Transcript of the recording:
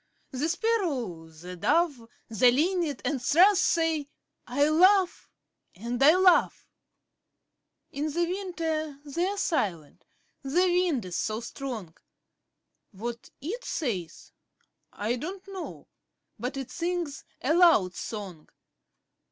The Sparrow, the Dove, The Linnet and Thrush say, 'I love and I love!' In the winter they're silent the wind is so strong; What it says, I don't know, but it sings a loud song.